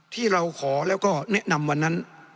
ที่เราขอแล้วก็แนะนำวันนั้น